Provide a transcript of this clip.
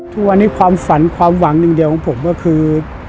ทุกวันนี้ความฝันความหวังหนึ่งเดียวของผมก็คือ